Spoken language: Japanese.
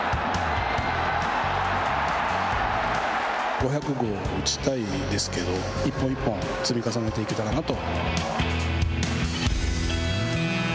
５００号を打ちたいですけど一本一本積み重ねていけたらなと。